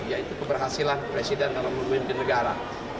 yaitu keberhasilan presiden dalam memimpin negara